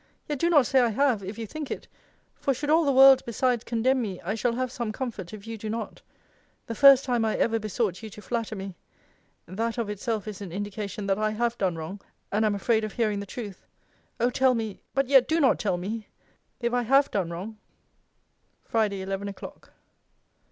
Yet do not say I have, if you think it; for should all the world besides condemn me, I shall have some comfort, if you do not. The first time I ever besought you to flatter me. That, of itself, is an indication that I have done wrong, and am afraid of hearing the truth O tell me (but yet do not tell me) if I have done wrong! FRIDAY, ELEVEN O'CLOCK.